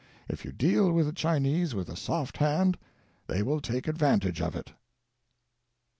If you deal with the Chinese with a soft hand they will take advantage of it.'